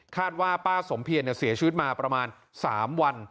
ว่าป้าสมเพียรเสียชีวิตมาประมาณ๓วัน